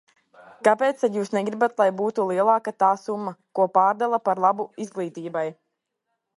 Kāpēc tad jūs negribat, lai būtu lielāka tā summa, ko pārdala par labu izglītībai?